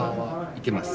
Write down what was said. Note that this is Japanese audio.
「いてます」。